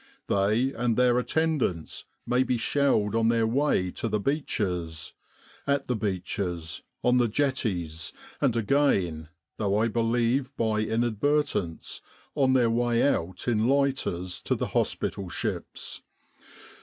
They and their attendants may be shelled on their way to the beaches, at the beaches, on the jetties, and again though I believe by inadvertence on their way out in lighters to the hospital ships.